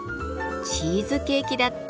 チーズケーキだって